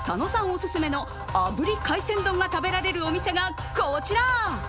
オススメの炙り海鮮丼が食べられるお店がこちら。